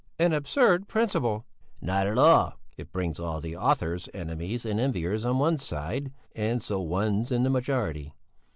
"An absurd principle!" "Not at all! It brings all the author's enemies and enviers on one's side and so one's in the majority.